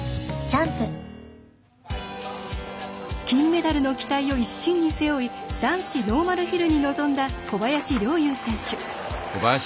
金メダルの期待を一身に背負い男子ノーマルヒルに臨んだ小林陵侑選手。